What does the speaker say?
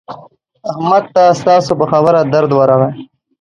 احمد ته ستاسو په خبره درد ورغی.